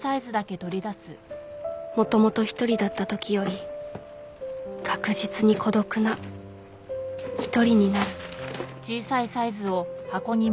もともと１人だったときより確実に孤独な１人になる